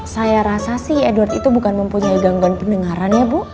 saya rasa sih edward itu bukan mempunyai gangguan pendengaran ya bu